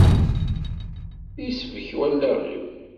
Isbek wallaɣ-iw.